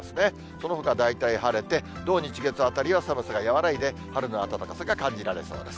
そのほか大体晴れて、土、日、月あたりは寒さが和らいで、春の暖かさが感じられそうです。